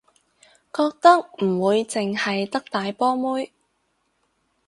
覺得唔會淨係得大波妹